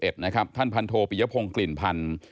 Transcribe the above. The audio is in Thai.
ท่านพันโทปิยพงศ์กลิ่นพันธ์